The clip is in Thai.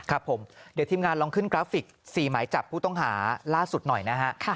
ครับผมเดี๋ยวทีมงานลองขึ้นกราฟิก๔หมายจับผู้ต้องหาล่าสุดหน่อยนะฮะ